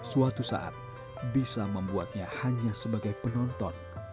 suatu saat bisa membuatnya hanya sebagai penonton